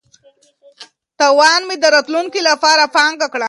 تاوان مې د راتلونکي لپاره پانګه کړه.